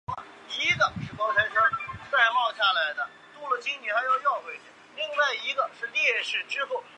智力在狭窄的定义中是以智力测验来衡量。